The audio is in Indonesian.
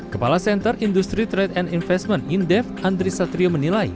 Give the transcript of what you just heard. kepala center industri trade and investment indef andri satrio menilai